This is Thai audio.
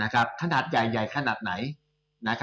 ขนาดใหญ่ขนาดไหน